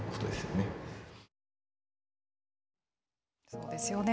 そうですよね。